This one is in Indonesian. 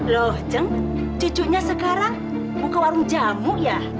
loh ceng cucunya sekarang buka warung jamu ya